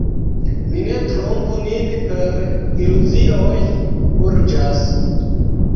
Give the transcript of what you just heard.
Ni ne trompu nin per iluzioj; urĝas.